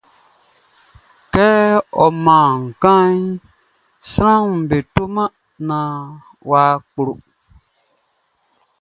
Kɛ ɔ man kanʼn, sranʼm be toman naan wʼa kplɔ.